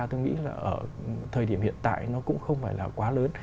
họ bỏ ra tôi nghĩ là ở thời điểm hiện tại nó cũng không phải là quá lớn